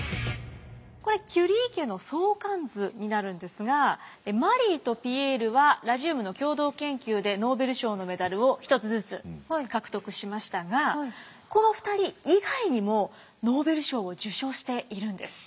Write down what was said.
これキュリー家の相関図になるんですがマリーとピエールはラジウムの共同研究でノーベル賞のメダルを１つずつ獲得しましたがこの２人以外にもノーベル賞を受賞しているんです。